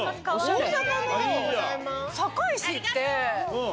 大阪の堺市って。